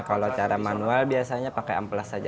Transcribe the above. kalau cara manual biasanya pakai amplas saja